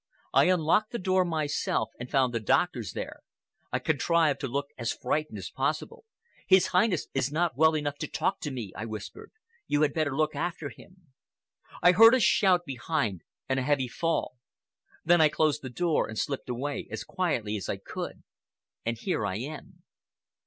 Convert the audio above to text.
I unlocked the door myself and found the doctor there. I contrived to look as frightened as possible. 'His Highness is not well enough to talk to me,' I whispered. 'You had better look after him.' I heard a shout behind and a heavy fall. Then I closed the door and slipped away as quietly as I could—and here I am."